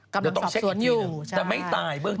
กำลังสอบสวนอยู่แต่ไม่ตายเบื้องต้น